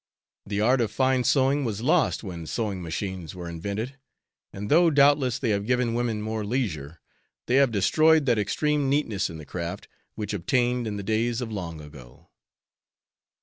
The art of fine sewing was lost when sewing machines were invented, and though doubtless they have given women more leisure, they have destroyed that extreme neatness in the craft, which obtained in the days of long ago.